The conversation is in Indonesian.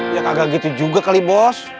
ya kagak gitu juga kali bos